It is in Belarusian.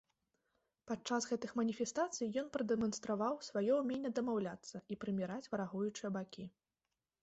Падчас гэтых маніфестацый ён прадэманстраваў сваё ўменне дамаўляцца і прыміраць варагуючыя бакі.